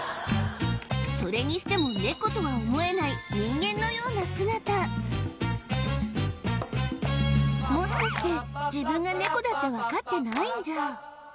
それにしてもネコとは思えない人間のような姿もしかして自分がネコだってわかってないんじゃ？